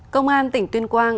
công an tỉnh tuyên quang